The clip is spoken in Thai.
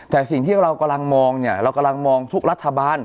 แต่สิ่งที่เรากำลังมองเนี่ยเรากำลังมองทุกรัฐบาล